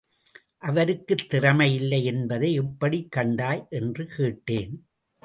அவருக்குத் திறமை இல்லை என்பதை எப்படிக் கண்டாய்? என்று கேட்டேன்.